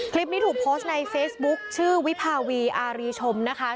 คลิปนี้ถูกโพสต์ในเฟซบุ๊คชื่อวิภาวีอารีชมนะคะ